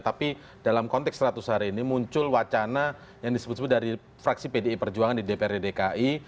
tapi dalam konteks seratus hari ini muncul wacana yang disebut sebut dari fraksi pdi perjuangan di dprd dki